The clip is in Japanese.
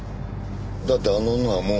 だってあの女はもう。